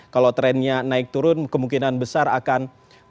kalau trennya naik turun kemungkinan besar akan